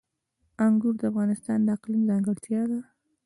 انګور د افغانستان د اقلیم ځانګړتیا ده.